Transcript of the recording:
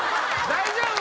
大丈夫？